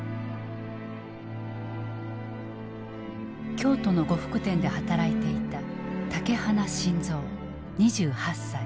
京都の呉服店で働いていた竹鼻信三２８歳。